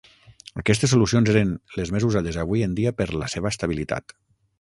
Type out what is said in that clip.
Aquestes solucions eren les més usades avui en dia per la seva estabilitat.